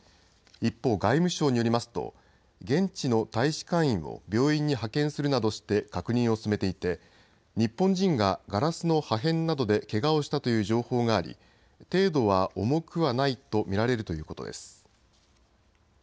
一方、外務省によりますと現地の大使館員を病院に派遣するなどして確認を進めていて日本人がガラスの破片などでけがをしたという情報があり程度は重くはないと見られるということです。